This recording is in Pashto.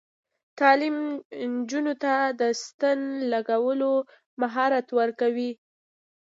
تعلیم نجونو ته د ستن لګولو مهارت ورکوي.